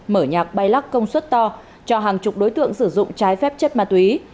mở nhạc bay lắc công suất to cho hàng chục đối tượng sử dụng trái phép chất ma túy